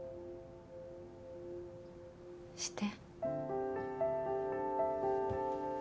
して。